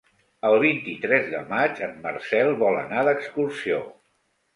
El vint-i-tres de maig en Marcel vol anar d'excursió.